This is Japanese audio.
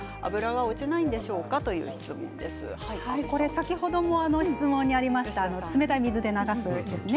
先ほども質問にありました冷たい水で流すですね。